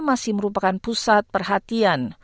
masih merupakan pusat perhatian